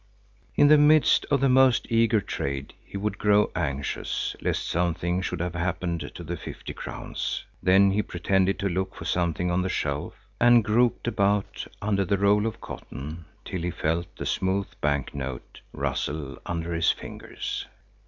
In the midst of the most eager trade he would grow anxious lest something should have happened to the fifty crowns. Then he pretended to look for something on the shelf, and groped about under the roll of cotton till he felt the smooth bank note rustle under his fingers.